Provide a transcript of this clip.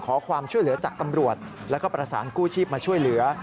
ขอความช่วยเหลือจากตำรวจแล้วก็ประสานกู้ชีพมาช่วยเหลือ